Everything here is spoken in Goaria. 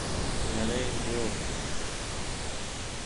گهري جو